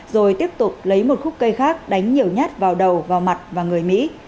rồi tiếp tục lấy một khúc cây khác đánh nhiều nhát vào đầu vào mặt và người mỹ